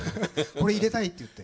「これ入れたい」って言って？